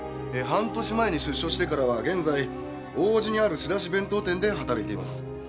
半年前に出所してからは現在王子にある仕出し弁当店で働いています。